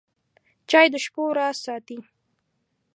چای د شپو راز ساتي.